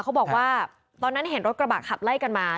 เขาบอกว่าตอนนั้นเห็นรถกระบะขับไล่กันมา